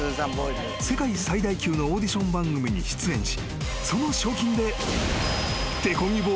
世界最大級のオーディション番組に出演し］